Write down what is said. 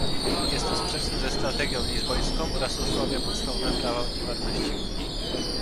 Jest to sprzeczne ze strategią lizbońską oraz osłabia podstawowe prawa i wartości Unii